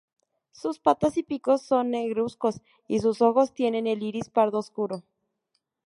Sus patas y pico son negruzcos y sus ojos tienen el iris pardo oscuro.